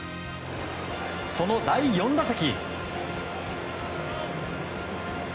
その第４打席。